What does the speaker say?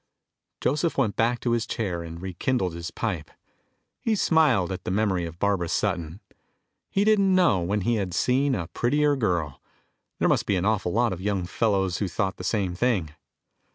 Joseph went back to his chair and rekindled his pipe. He smiled at the memory of Barbara Sutton. He didn't know when he had seen a prettier girl. There must be an awful lot of young fellows who thought the same thing.